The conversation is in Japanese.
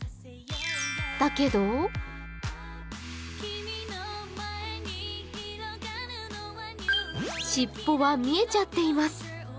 だけど尻尾は見えちゃっています。